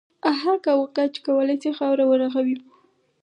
اهک او ګچ کولای شي خاوره و رغوي.